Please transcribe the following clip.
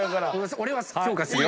俺は評価するよ。